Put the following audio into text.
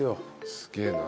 すげえな。